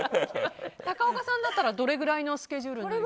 高岡さんだったらどれぐらいのスケジュールで？